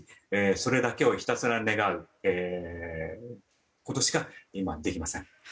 それだけをひたすら願うことしか今はできません。